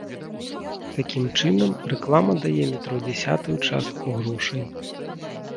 Такім чынам, рэклама дае метро дзясятую частку грошай.